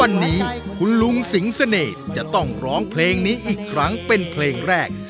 วันนี้คุณลุงสิงเสน่ห์จะต้องร้องเพลงนี้อีกครั้งเป็นเพลงแรก